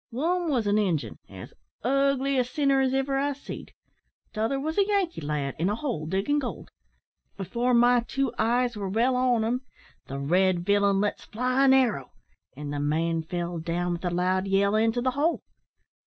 One wos an Injun, as ugly a sinner as iver I seed; t'other wos a Yankee lad, in a hole diggin' gold. Before my two eyes were well on them, the red villain lets fly an arrow, and the man fell down with a loud yell into the hole.